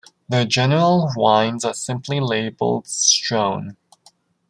Their general wines are simply labelled Strewn.